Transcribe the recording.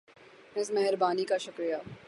اس مہربانی کا شکریہ